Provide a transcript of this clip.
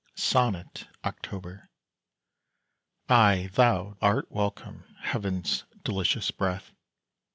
SONNET OCTOBER. Ay, thou art welcome, heaven's delicious breath!